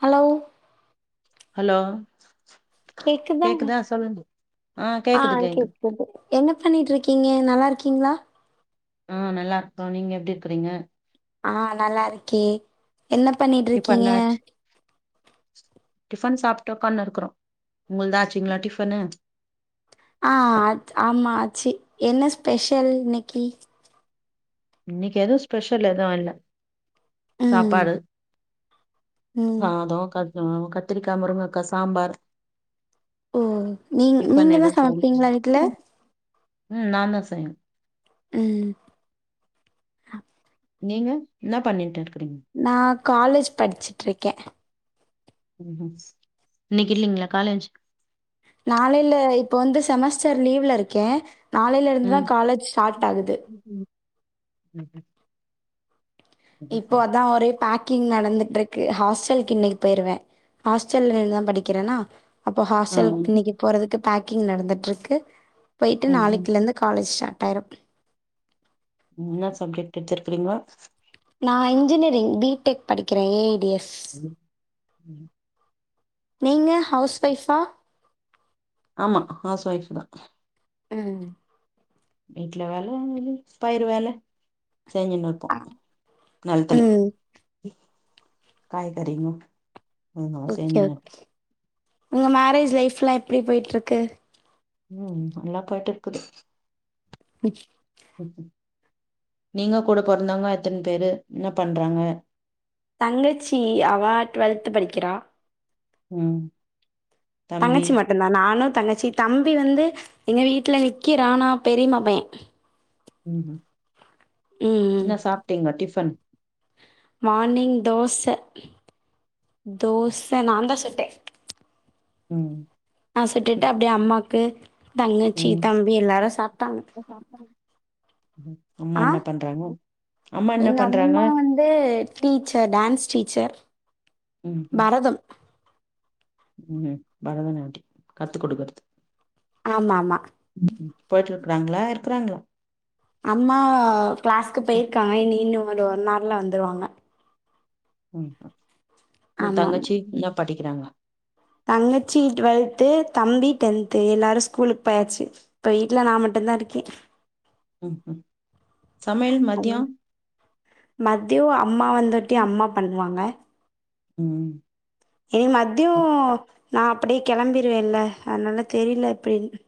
Hello hello கேக்குதா சொல்லுங்க ஆ கேக்குது கேக்குத் என்ன பண்ணிட்ருக்கீங்க நல்லா இருக்கீங்ளா. ம் நல்லார்க்கோ நீங்க எப்டி இருக்குறீங்க. ஆ நல்லாருக்கே. என்ன பண்ணி டிஃபன் ஆச் டிஃபன் சாப்ட்டு ஒக்கான் இருக்குறோ உங்கள்து ஆச்சுங்ளா டிஃபனு ஆ ஆச் ஆமா ஆச்சி என்ன ஸ்பெஷல் இன்னைக்கி இன்னைக்கு எது ஸ்பெஷல் எதுவு இல்ல ம் சாப்பாடு. ம் சாதோ க து அ கத்திரிக்கா முருங்கக்கா சாம்பார். ஓ நீங் டிஃபன் நீங்கதா எதுவு செய்ல சமப்பீங்ளா வீட்ல. ம் நா தா செய்வ ம் நீங்க என்ன பண்ணிட் இருக்குறீங் நா காலேஜ் படிச்சிட்ருக்கே ம் இன்னைக் இல்லிங்ளா காலேஜ் நாளைல இப்போ வந்து செமஸ்டர் லீவ்ல இருக்கே நாளைல இருந்துதா ம் காலேஜ் ஸாட் ஆகுது ம் ம் இப்போ அதா ஒரே பேக் கிங் நடந்துட்ருக்கு ஹாஸ்டல்க்கு இன்னைக்கு போய்ருவே ஹாஸ்டல்லந்தா படிக்கிறனா அப்போ ஆ ஹாஸ்டல்க்கு இன்னிக்கி போறதுக்கு பேக்கிங் நடந்துட்ருக்கு போய்ட்டு ம் ம் நாளைக்கிலந்து காலேஜ் ஷாட் ஆயிரு என்ன சப்ஜெக்ட் எடுத்துருக்கிரிங்கோ நா இன்ஜினியரிங் பீ டெக் படிக்கிறே ஏ ஐ டி எஸ் ம் ம் நீங்க ஹவுஸ் ஒய்ஃப்பா ஆமா ஹவுஸ் ஒய்ஃப் தா ம் வீட்ல வேல ருந்தது தயிர வேல செஞ்சுனுருப்போ அ நிலத்துல ம் ம் காய்கறி நு ஓகே ஓகே உங்க மேரேஜ் லைஃப்லாம் எப்டி போயிட்டுருக்கு உம் நல்லா போய்ட்டுருக்குது விச் ம் ம் நீங்க கூட பொறந்தவங்க எத்தன பேரு என்ன பண்றாங்க தங்கச்சி அவ டுவெல்த் படிக்கிறா ம் தம்பி தங்கச்சி மட்டும்தா நானும் தங்கச்சி தம்பி வந்து எங்க வீட்ல நிக்கிறா ஆனா பெரிமா பையே ம் ம் ம் என்ன சாப்ட்டீங்க டிஃபன் மார்னிங் தோச தோச நான் தா சுட்டே ம் நா சுட்டுட்டு ம் அப்டியே அம்மாக்கு தங்கச்சீ தம்பி எல்லாரு சாப்ட்டாங்க சாப்டாங்க ம் அம்மா ஆ என்ன பண்றாங்க அம்மா என்ன பண்றாங்க தே டீச்சர் டான்ஸ் டீச்சர் ம் ம் பரதம் ம் பரதநாட்டியம் கத்து கொடுக்றது ஆமா ஆமா ம் ம் போயிட்டு இருக்றாங்களா இருக்றாங்களா அம்மா கிளாஸ்க்கு ம் போயிருகாங்க இனி இன்னு ஒரு ஒன் ஆர்ல வந்துருவாங்க ம் ஆ ஊ ஆமா ஆமா தங்கச்சி இன்ன படிக்கிறாங்க தங்கச்சி டுவெல்த்து தம்பி டென்த்து எல்லாரும் ஸ்கூலுக்கு போயாச்சு இப்ப வீட்ல நா மட்டுதாருக்கே ம் ம் சமையல் மதியோ மதியோ அம்மா வந்துட்டி அம்மா பண்ணுவாங்க ம் இனி அப் மதியம் நா அப்டி கிளம்பிருவேன்லஅத்னால தெரில எப்டின்னு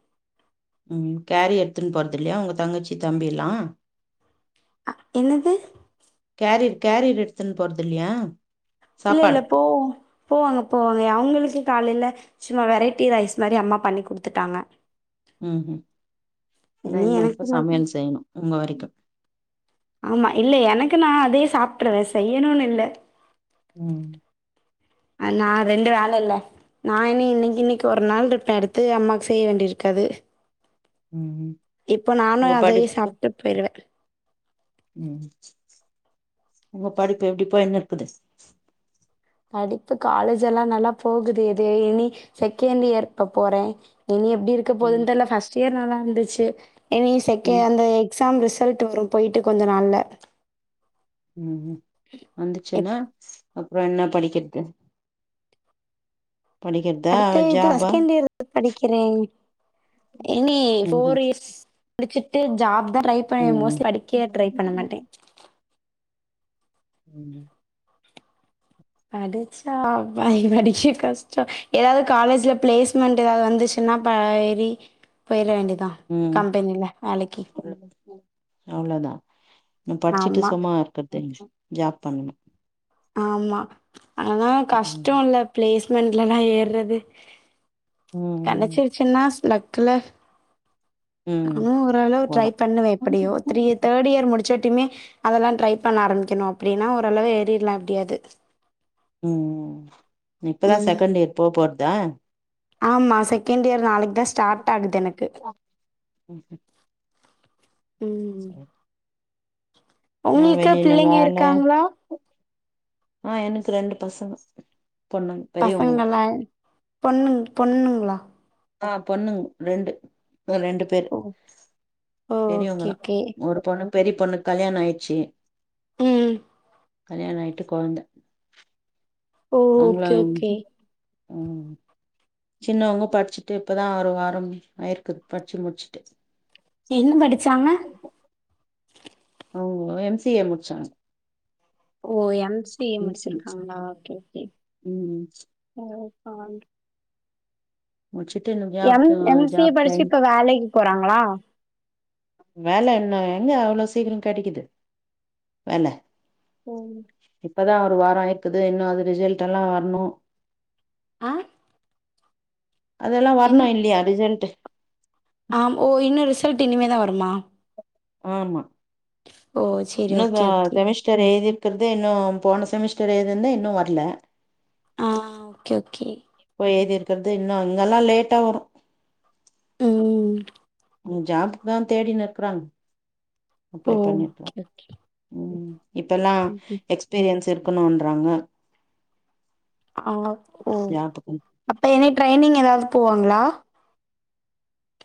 ம் கேரி எடுத்துனு போறது இல்லையா உங்க தங்கச்சி தம்பி எல்லா அ என்னது கேரிர் கேரியர் எடுத்துன்னு போறதில்லையா இல்ல இல்ல போவோ போவாங்க போவாங்க அவங்களுக்கு காலைல சும்மா வெரைட்டி ரைஸ் மாரி அம்மா பண்ணி் கொடுத்துட்டாங்க ம் ம் ஏன்னா இனி இன்னும் எனக்கு இப்போ மட்டும் சமையல் செய்யணு உங்க வரைக்கு ஆமா இல்ல எனக்கு நா அதே சாப்டுருவே செய்யணுனு இல்ல ம் ஆ நா ரெண்டு ஆள் இல்ல நா இனி இன்னைக்கி இன்னய்க்கு ஒரு நாள் இருப்பே அடுத்து அம்மாக்கு செய்ய வேண்டியிருக்காது ம் ம் இப்ப நானு உங்க அதயே படிப்பு சாப்ட்டு போயிர்வே ம் உங்க படிப்பு எப்டி போயிர்னு இருக்குது படிப்பு காலேஜ் எல்லா நல்லா போகுது எது இனி செகண்ட் இயர் இப்ப போறே இனி எப்டி இருக்க ம் போதுன்னு தெர்ல ஃபஸ்ட் இயர் நல்லா இருந்துச்சு இனி செக ம் அந்த எக்ஸாம் ரிசல்ட் வரும் போய்ட்டு கொஞ்ச நாள்ல ம் ம் வந்துச்சுன்னா எப்- அப்றோ என்ன படிக்கிற்து படிக்கிறதா அடுத்த இது வ ஜாபா செகன்ட்டியரு படிக்கிறேன் இனி ம் ம் ஃபோர் இயர்ஸ் முடிச்சிட்டு ஜாப்தா ட்ரைப் இப்பயே ம் மோஸ்லி படிக்க ட்ரை பண்ண மாட்டே ஆமா படிச்சா ஃபாய் படிக்க கஷ்டோ எதாவது காலேஜ்ல ப்ளேஸ்மெண்ட்டு எதாவது வந்துச்சு ன்னா பா இறி போயிற வேண்டியதா ம் கம்பெனியில வேலக்கி அவ்ளோதா இன்னு படிச்சுட்டு ஆமா சும்மா இருக்கற்து ஜாப் பண்ணணு ஆமா அதா ம் கஷ்டோல்ல பிளேஸ்மெண்ட்லல்லா ஏர்றது ம் கெடச்சுருச்சுன்னா லக்குல ம் நானு ஓரளவு ட்ரை வரு பண்ணுவே எப்புடியோ த்ரீ தேர்ட் இயர் முடுச்சோட்டியுமே அதல்லா ட்ரை பண்ண ஆரம்பிக்கணு அப்புடின்னா ஓரளவு ஏறிர்லா எப்டியாது ம் இப்பதா ம் செகண்ட்டு இயர் போ போற்தா ஆமா செகண்ட் இயர் நாளைக்கு தா ஸ்டார்ட் ஆகுது எனக்கு ம் சேர் நா உங்களுக்கு வெளியில பிள்ளைங்க வேல இருக்காங்களா ஆ எனக்கு ரெண்டு பசங்க பொண்ணுங்க பெரியவங்கதா பசங்கலா பொண்ணுங் பொண்ணுங்ளா ஆ பொண்ணுங்க ரெண்டு அ ரெண்டு பெர் ஓ ஓ ஓகே பெரியவுங்கதா ஓகே ஒரு பொண்ணு பெரிய பொண்ணு கல்யாணோ ஆயிடுச்சு ம் ம் கல்யாண ஆயிட்டு கொழந்த ஓ அவுங்களா ஓகே ஓகே இது ஆ சின்னவுங்க படிச்சுட்டு இப்பதா ஒரு வாரம் ஆயிருக்குது பட்ச்சு முடுச்சுட்டு என்ன படிச்சாங்க அவுங்கோ எம் சி ஏ முட்ச்சாங்க ஓ எம் சி ஏ முடிச்சுருக்காங்களா ஓகே ஓகே ஏ ம் முடுச்சுட்டு என்னப் எம் எம் சி ஏ படிச்சு இப்ப வேலைக்கு போறாங்களா வேல இன்னு எங்க அவ்ளோ சீக்கிரோ கெடைக்குது வேல [unintelligible] இப்பதா ஒரு வாரோ ஆயிக்குது இன்னு அது ரிஜல்டெல்லா வர்ணு ஆ அதெல்லா வர்ணு இல்லையா ரிஜல்ட்டு ஆமா ஓ இன்னு ரிசல்ட்டு இனிமே தா வருமா ஆமா ஓ சேரி இன்னு தா ஓகே ஓகே செமெஸ் ஸ்டரு எழுதிக் இருக்கற்து இன்னும் போன செமஸ்டரு எழுதுனதே இன்னு வர்ல ஆ ஓகே ஓகே போய் எழுதியிருக்கற்து இன்னு இங்கல்லா லேட்டா வரு ம் ஜாப்புக்கு தா தேடினு இருக்குறாங் ஓ அப்ளை பண்ணிருக்கோ ஓகே ம் இப்பலா ஓகே எக்ஸ்பீரியன்ஸ் இருக்கணுன்றாங்க அவுங்க ஓ ஜாப்புக்கு அப்ப எனி ட்ரைனிங் எதாவது போவாங்களா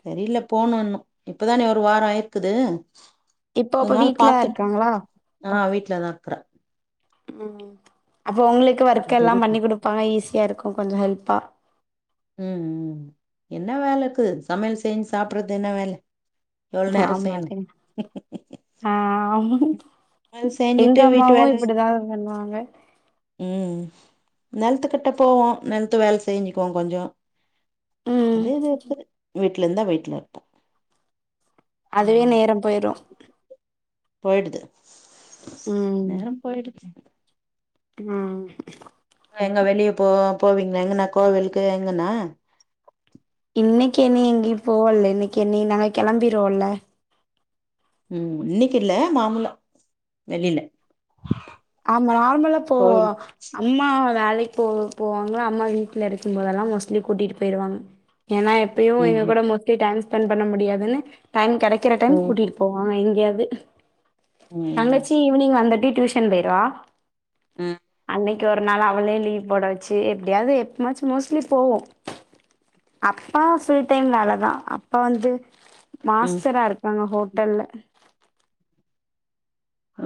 தெரியல போனு இன்னு இப்பதானே ஒரு வாரோ ஆயிருக்குது இப்போ அப்ப கொஞ்ச நாள் வீட்ல பாத்துட் இருக்காங்களா ஆ வீட்லதா இருக்குறே ம் அப்போ உங்களுக்கு ஒர்க் எல்லாம் பெரிய பண்ணி குடுப்பாங்க ஈஸியா இருக்கும் கொஞ்சம் ஹெல்ப்பா ம் ம் என்ன வேல இருக்கு சமையல் செஞ்சு சாப்புட்றது தானே வேல எவுள் நேரோ ஆமா செய்னு அது ஆ எங்க செஞ்சுட்டு வீட்டு அம்மாவு வேல இப்படிதா பண்ணுவாங்க ம் நெலத்துக்கிட்ட போவோ நெலத்து வேல செஞ்சுக்குவோ கொஞ்சோ ம் அதே இது வந்து வீட்ல இருந்தா வீட்ல இருப்போ அதுவே அம் நேரம் போயிரு போயிடுது ம் நேரோ போயிடுச்சி ம் எங்க வெளியே போவோ போவிங்கள எங்கன்னா கோவிலுக்கு எங்கன்னா இன்னைக்கி என்ன எங்கேயு போவல்ல இன்னைக்கி என்ன நாங்க கெளம்பிடுவோம்ல ம் இன்னைக்கு இல்ல நார்மலா வெளில ஆமா நார்மலா போவோ கோவில் அம்மா வேலைக்கு போ போவாங்க அம்மா வீட்ல இருக்கும்போதெல்லா மோஸ்ட்லி கூட்டிட்டு போயிருவாங்க ஏன்னா எப்பயு ம் எங்க ம் கூட மோஸ்ட்லி டைம் ஸ்பெண்ட் பண்ண முடியாதுன்னு டைம் கெடைக்கிற டைம் ம் கூட்டிட் போவாங்க எங்கேயாது ம் தங்கச்சி ஈவினிங் வந்தட்டி டியூஷன் போயிடுவா ம் அன்னைக்கி ஒரு நாள் அவலையு லீவ் போட வேச்சி எப்டியாது எப்பமாச்சு மோஸ்ட்லி போவோ அப்பா ஃபுல் டைம் வேல தா அப்பா வந்து ம் மாஸ்டரா இருக்காங்க ஹோட்டல்ல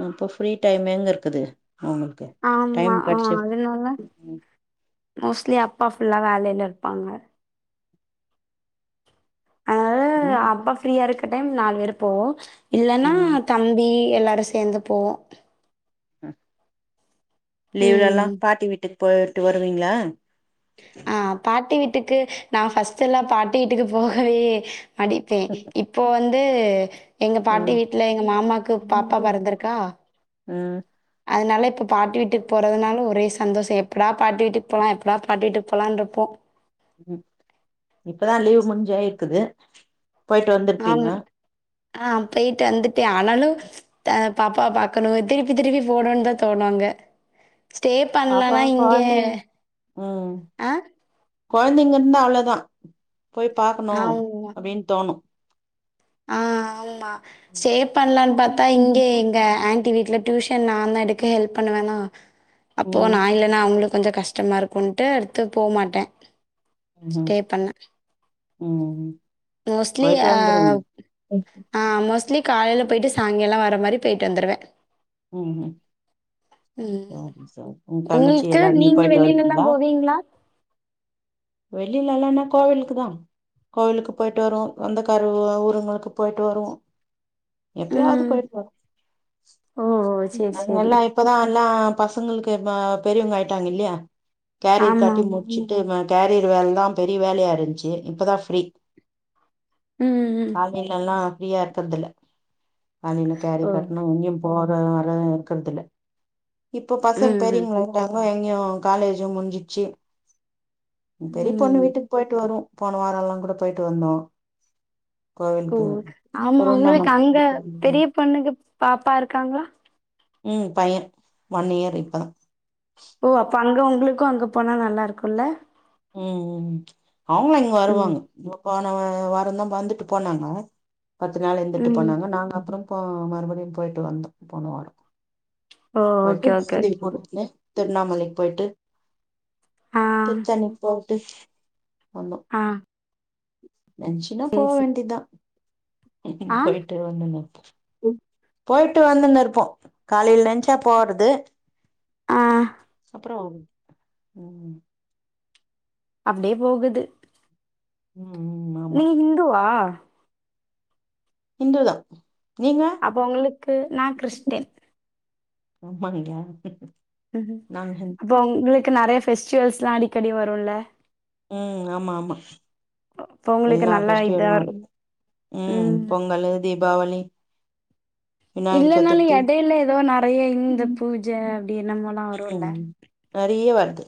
அப்ப ஃப்ரீ டைம் எங்க இருக்குது அவுங்களுக்கு டைம் ஆமா ஆ கெடைச்சு அதனால மோஸ்ட்லி அப்பா ஃபுல்லா வேலையில இருப்பாங்க அதனால ம் அப்பா ஃப்ரீயா இருக்க டைம் நாலு பேர் போவோ இல்லன்னா ம் தம்பி எல்லோரு சேந்து போவோ லீவ்ல எல்லா ம். பாட்டி வீட்டுக்கு போயிட்டு வருவீங்ளா ஆ பாட்டி வீட்டுக்கு நா ஃபர்ஸ்ட்லா பாட்டி வீட்டுக்கு போகவே நடிப்பே இப்போ வந்து எங்க பாட்டி ம் வீட்ல எங்க மாமாக்கு பாப்பா பெறந்திருக்கா ம் அதனால இப்போ பாட்டி வீட்டுக்கு போறதுனாலு ஒரே சந்தோஷோ எப்படா பாட்டி வீட்டுக்கு போலா எப்படா பாட்டு வீட்டுக்கு போலான்றிருப்போ ம் இப்பதா லீவ் முடிஞ்சாயிக்கிது ஆமாங் ஆ போயிட்டு வந்துட்டே ஆனாலு த பாப்பாவ பாக்கணு திருப்பி திருப்பி போனோன்னு தா தோணு அங்க ஸ்டே பாப்பா பண்ணலான்னா இங்க கொழந்தைங் ம் அ கொழந்தைங்க இருந்தா அவ்ளோ தா போய் பாக்கணு ஆமா. அப்டின்னு தோணு ஆ ஆமா ஸ்டே பண்ணலான் பாத்தா இங்க எங்க ஆன்டி வீட்ல டியூஷன் நா தா எடுக்க ஹெல்ப் பண்வேனா அப்போ ம் நா இல்லன்னா அவுங்களுக்கு கொஞ்சோ கஷ்ட் கஷ்டமா இருக்குன்ட்டு அடுத்து போக மாட்டே ஸ்டே ம் பண்ண ம் மோஸ்ட்லி ஆ ஓகே ஆ மோஸ்ட்லி காலைல போயிட்டு சாயங்காளோ வர மாரி போயிட்டு வந்துடுவே ம் ம் ம். [inaudible] உங் தங்கச்சி உங்களுக்கு? எல்லாருமே நீங்க போயிட்டு வெளிலலாம் வருவிங்ளா போவீங்களா? வெளிலல்லா என்னா கோவிலுக்கு தா கோவிலுக்கு போயிட்டு வருவோ வந்து சொந்தக்காரவ ஊருங்களுக்கு போயிட்டு வருவோ எப்பயாது ம். போயிருக்கோ ஓ சேரி சேரி அவ்ங்கெல்லா இப்பதா எல்லா பசங்களுக்கு ப பெரியவங் ஆயிட்டாங்கில்லயா கேரியர் கட்டி ஆமாம் முட்ச்சுட்டு ம கேரியர் வேல்தா பெரிய வேலயா இருந்ச்சு இப்பதா ஃப்ரீ ம் ம் காலைலல்லா ஃப்ரீயா இருக்கற்தில்ல காலைல ஓ கேரியர் கட்ணு இங்யு போக வர இருக்கற்தில்ல இப்ப பசங் ம் ம் பெரியவ்ங்களாய்ட்டாங்க எங்யு காலேஜு முஞ்சிச்சி ம் பெரிய பொண்ணு வீட்டுக் போய்ட்டு வருவோ போன வாரல்லா கூட போய்ட்டு வந்தோ ஓ கோவிலுக்கு ஆமா உங்களுக் அங்க திருவண்ணாமலை பெரிய பொண்ணுக்கு பாப்பா இருக்காங்ளா ம் பைய ஒன் இயர் இப்ப ஓ அப்ப அங்க உங்களுக்கு அங்க போனா நல்லாருக்குல்ல ம் ம் அவுங்க இங்க ம் வருவாங்க இப்ப போன வாரந்தா வந்துட்டு போனாங்க பத்து நாள் இருந்துட்டு ம் போனாங்க நாங்க அப்றோ போ மறுபடி போய்ட்டு வந்தோ போன வாரோ ஓ போய்ட்டு ஓகே [unintelligible] ஓகே போட்டுக்னு ஓகே. போன உனே திருண்ணாமலைக் போய்ட்டு ஆ சென்னைக் போய்ட்டு வந்தோ ஆ நென்ச்சுன்னா போ சேர் சே வேண்டிதா ஆ போய்ட்டு வந்தோனே இப்போ இப் போய்ட்டு வந்துனுருப்போ காலைல நென்ச்சா போறது ஆ அப்றோ ம் அப்டியே போகுது ம் ம் ஆமா நீ இந்துவா ஹிந்துதா நீங்க அப்ப உங்களுக்கு நா கிறிஸ்டின் ஆமாங்க நாங்க ஹிந்து. அப்போ உங்களுக்கு நெறைய ஃபெஸ்டிவல்ஸ்லா அடிக்கடி வருல்ல ம் ஆமா ஆமா அப்போ உங்களுக்கு எல்லா நல்லா ஃபெஸ்டிவலு இதா இருக்கும். வருது ம் பொங்கலு, தீபாவளி விநாயக இல்லனாலு சதுர்த்தி எடைல எதோ நெறைய இந்த ம் பூஜ அப்டி என்னமோல்லா வருல்ல நறைய வர்து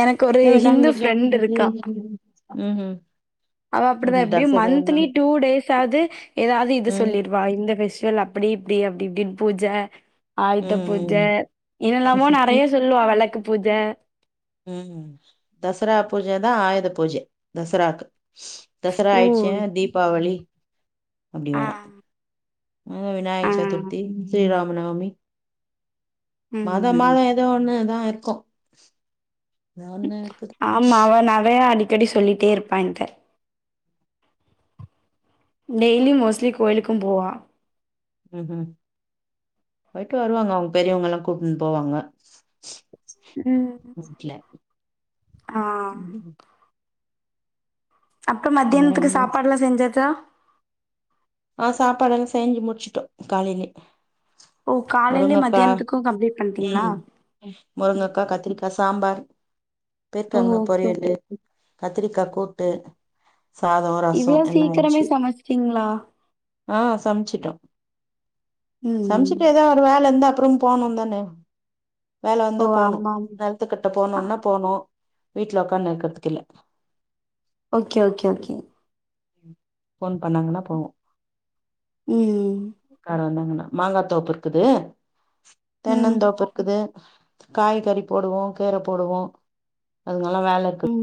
எனக்கு ஒரு இத விட்டா ஹிந்து இங்க ஜாபு ஃப்ரெண்ட் கெடையாது இருக்கா ஒன்னு கெடையாது ம்ம் அவ அப்டிதா எப்டியு மன்த்திலி டூ டேஸாவ்து எதாது இது ம் சொல்லிரு வா இந்த ஃபெஸ்டிவல் அப்பிடி இப்பிடி அப்டி இப்டின் பூஜ ஆயுத பூஜ ம் என்னல்லாமோ நெறைய சொல்லுவா வெளக்கு பூஜ ம் தசரா பூஜ தா ஆயுத பூஜ தசராக்கு தசரா ஓ ஆயிட்ச்சே தீபாவளி அப்டி ஆ வரு அதா விநாயக ஆ சதுர்த்தி, ஸ்ரீராம நவமி மாத ம் மாதோ எதோ ஒன்னு தா இருக்கு ஏதோ ஒண்ணு இருக்குது ஆமா அவ நெறையா அடிக்கடி சொல்லிட்டே இருப்பா என்ட்ட டெய்லி மோஸ்ட்லி கோயிலுக்கு போவா ம்ம் போய்ட்டு வருவாங்க அவுங் பெரியவங்கல்லா கூப்ட்டுன் போவாங்க ம் வீட்ல ஆ ம். அப்றோ மத்யான்த்துக்கு ம். சாப்பாட்லா செஞ்சாச்சா ஆ சாப்பாடெல்லா செஞ்சு முட்ச்சுட்டோ காலைலே ஓ காலைலே மத்யான்த்துக்கு கம்ப்ளீட் பண்ட்டீங்ளா ம் முருங்கக்கா கத்திரிக்கா சாம்பார், ஓ பீர்க்கங்கா ஓகே ஓகே பொரியலு கத்திரிக்கா கூட்டு சாதோ ரசோ எல்லா ஆயிட்ச்சி திங்ளா ஆ சம்ச்சுட்டோ ம் சம்ச்சுட்டேதா ஒரு வேல இந்தா அப்புறம் போனுந்தானே வேல ஓ வந்தா போணு ஆமா நெல்த்துக்கிட்ட போணுனா ஆமா போணோ வீட்ல உக்கானு இருக்கிறதுக்கில்ல ஓகே ஓகே ஓகே ஃபோன் பண்ணாங்கன்னா போவோ ம் கார வந்தாங்கன்னா மாங்கா தோப்பு இருக்குது ம் தென்னந் தோப்பு இருக்குது காய்கறி போடுவோ கீர போடுவோ அதுனாலே வேல இருக்கு ம்